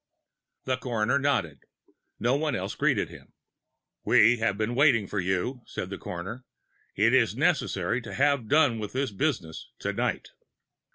The coroner nodded; no one else greeted him. "We have waited for you," said the coroner. "It is necessary to have done with this business to night."